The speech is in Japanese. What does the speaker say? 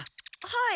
はい。